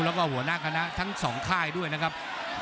แล้วก็หัวหน้าคณะทั้งสองค่ายด้วยนะครับ